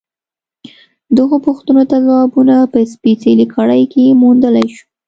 دغو پوښتنو ته ځوابونه په سپېڅلې کړۍ کې موندلای شو.